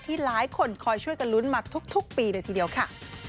หลายคนคอยช่วยกันลุ้นมาทุกปีเลยทีเดียวค่ะ